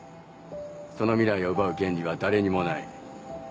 その未来を奪う権利は誰にもない。